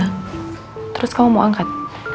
terus kamu mau angkat